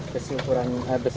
besi ukuran delapan